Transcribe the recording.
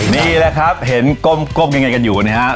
นี่แหละครับเห็นกลมยังไงกันอยู่ว่ะเนี่ย